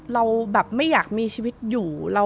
เราแบบไม่อยากมีชีวิตอยู่